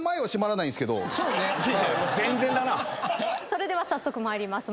それでは早速参ります。